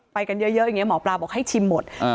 ไปกันเยอะอย่างนี้หมอปลาบอกให้ชิมหมด